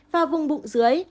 và vùng bụng dưới